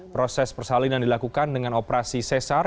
proses persalinan dilakukan dengan operasi sesar